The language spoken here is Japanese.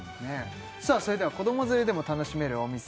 それでは子ども連れでも楽しめるお店